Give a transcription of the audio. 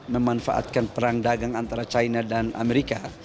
memanfaatkan perang dagang antara china dan amerika